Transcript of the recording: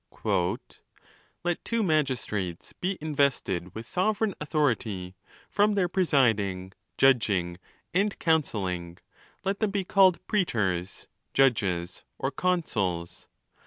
." Let two magistrates be invested with sovereign authority ; from their presiding,' judging, and counselling, let them be called preetors, judges, or consuls.